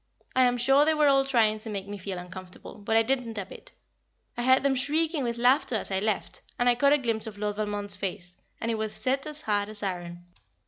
I am sure they were all trying to make me feel uncomfortable, but I didn't a bit. I heard them shrieking with laughter as I left, and I caught a glimpse of Lord Valmond's face, and it was set as hard as iron.